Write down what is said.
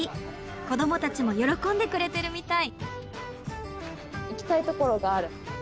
子どもたちも喜んでくれてるみたい。